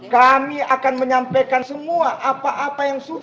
kami akan menyampaikan semua apa apa yang sudah